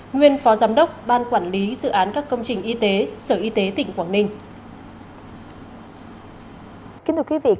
nguyên phó giám đốc ban quản lý dự án các công trình y tế sở y tế tỉnh quảng ninh